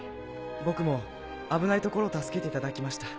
僕も危ないところを助けていただきました。